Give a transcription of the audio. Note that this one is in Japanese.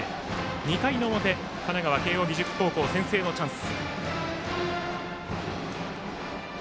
２回の表、神奈川・慶応義塾高校先制のチャンス。